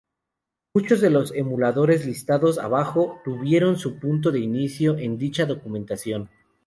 Muchos de los emuladores listados abajo, tuvieron su punto de inicio en dicha documentación.